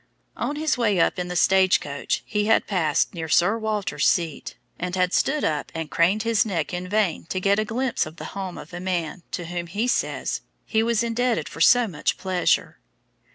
On his way up in the stage coach he had passed near Sir Walter's seat, and had stood up and craned his neck in vain to get a glimpse of the home of a man to whom, he says, he was indebted for so much pleasure.